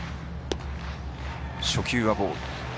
初球はボール。